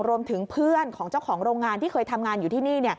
รวมถึงเพื่อนของเจ้าของโรงงานที่เคยทำงานอยู่ที่นี่